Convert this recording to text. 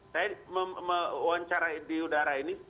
saya mewawancarai di udara ini